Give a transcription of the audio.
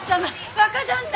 若旦那！